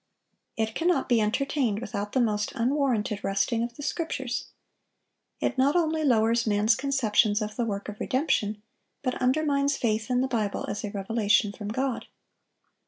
It cannot be entertained without the most unwarranted wresting of the Scriptures. It not only lowers man's conceptions of the work of redemption, but undermines faith in the Bible as a revelation from God.